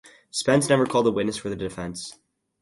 Spence never called a witness for the defense.